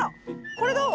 これどう？